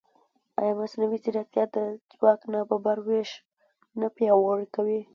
ایا مصنوعي ځیرکتیا د ځواک نابرابر وېش نه پیاوړی کوي؟